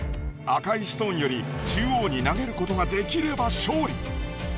赤いストーンより中央に投げることができれば勝利。